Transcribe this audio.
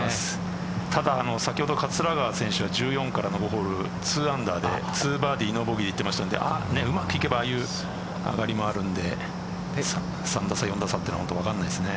ただ先ほど、桂川選手が１４番からの５ホール２アンダーで２ボギーいっていましたのでうまくいけば上がりもあるんで３打差、４打差というのは分からないですね。